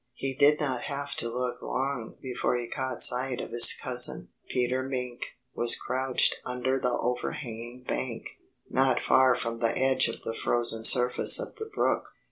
He did not have to look long before he caught sight of his cousin. Peter Mink was crouched under the overhanging bank, not far from the edge of the frozen surface of the brook.